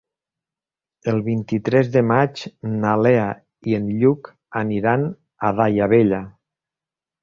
El vint-i-tres de maig na Lea i en Lluc aniran a Daia Vella.